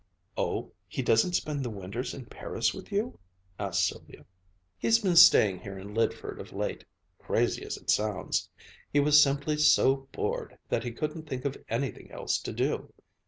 "Oh, he doesn't spend the winters in Paris with you?" asked Sylvia. "He's been staying here in Lydford of late crazy as it sounds. He was simply so bored that he couldn't think of anything else to do.